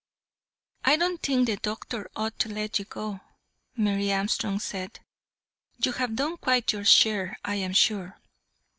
"I don't think the doctor ought to let you go," Mary Armstrong said. "You have done quite your share, I am sure."